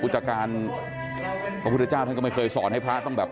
จากการพระพุทธเจ้าท่านก็ไม่เคยสอนให้พระต้องแบบ